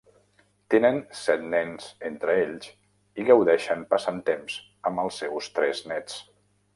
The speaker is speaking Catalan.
Tenen set nens entre ells i gaudeixen passant temps amb els seus tres néts.